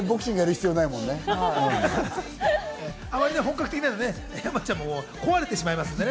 あまり本格的だと山ちゃんも壊れてしまいますので。